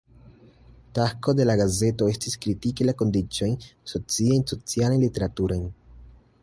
Tasko de la gazeto estis kritiki la kondiĉojn sociajn, socialajn, literaturajn.